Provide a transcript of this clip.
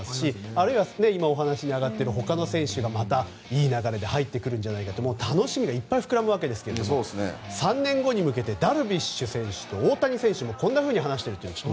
あるいは今お話に上がっている他の選手がまたいい流れで入ってくるんじゃないかって楽しみがいっぱい膨らむわけですが３年後に向けてダルビッシュ選手と大谷選手もこんなふうに話していると。